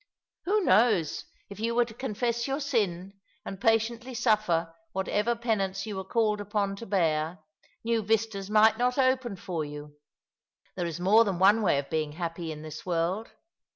Who knows if you were to confess your sin, and patiently suffer whatever penance you were called upon to bear, new vistas might not open for you? There is more than one way of being happy in this world.